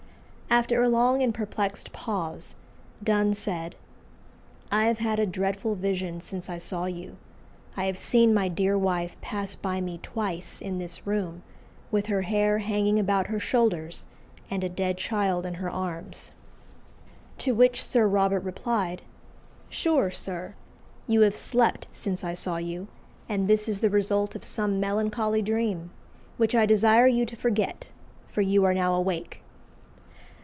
After a long and perplexed pause, Donne said, "I have had a dreadful vision since I saw you; I have seen my dear wife pass by me twice in this room with her hair hanging about her shoulders and a dead child in her arms;" to which Sir Robert replied, "Sure, sir, you have slept since I saw you, and this is the result of some melancholy dream, which I desire you to forget, for you are now awake."